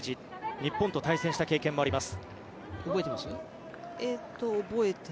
日本と対戦した経験もあります。